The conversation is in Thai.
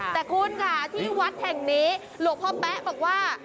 แต่คุณค่ะที่วัดแห่งนี้หลวงพ่อแป๊ะบอกว่า